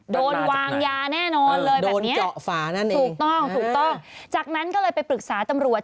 โดนวางยาแน่นอนเลยแบบนี้ถูกต้องถูกต้องจากนั้นก็เลยไปปรึกษาตำรวจ